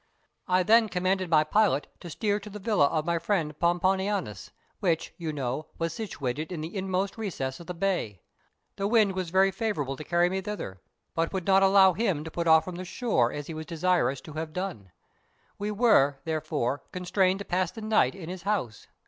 I then commanded my pilot to steer to the villa of my friend Pomponianus, which, you know, was situated in the inmost recess of the bay. The wind was very favourable to carry me thither, but would not allow him to put off from the shore, as he was desirous to have done. We were, therefore, constrained to pass the night in his house.